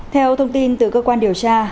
theo thông tin từ cơ quan điều tra